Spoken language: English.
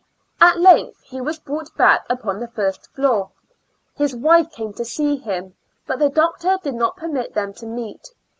At length he was brought back upon the first floor. His wife came to see him, but the doctor did not permit them to meet.